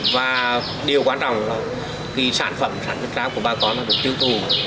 và điều quan trọng là cái sản phẩm sản xuất ra của bà con là được tiêu thù